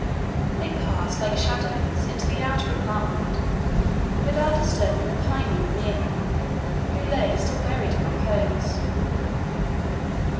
They passed, like shadows, into the outer apartment, without disturbing the paynim Emir, who lay still buried in repose.